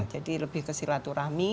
jadi lebih ke silaturahmi